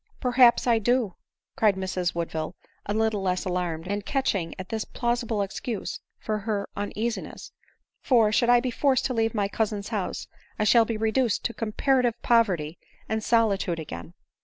" Perhaps I do ;" cried Miss Woodville, a little less alarmed, and catching at this plausible excuse for her un easiness ; for, should I be forced to leave my cousin's house, I shall be reduced to comparative poverty and solitude again."